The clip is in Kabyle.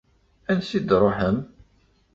Ansi d-truḥem?